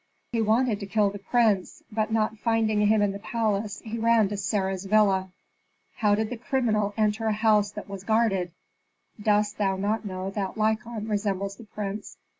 "He wanted to kill the prince, but not finding him in the palace, he ran to Sarah's villa." "How did the criminal enter a house that was guarded?" "Dost thou not know that Lykon resembles the prince?